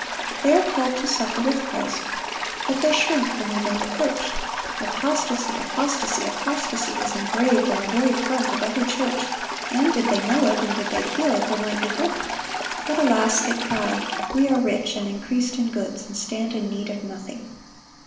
They are called to suffer with Christ, but they shrink from even reproach.... apostasy, apostasy, apostasy, is engraven on the very front of every church; and did they know it, and did they feel it, there might be hope; but, alas! they cry, 'We are rich, and increased in goods, and stand in need of nothing.